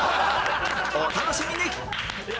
お楽しみに！